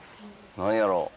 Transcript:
何やろう。